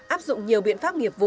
áp dụng nhiều biện pháp nghiệp vụ